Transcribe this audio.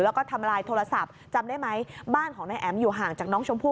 แล้วก็ทำลายโทรศัพท์จำได้ไหมบ้านของนายแอ๋มอยู่ห่างจากน้องชมพู่